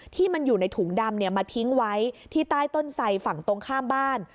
ที่มันอยู่ในถุงดำมาทิ้งไว้ที่ใต้ต้นไสฝั่งตรงข้ามบ้าน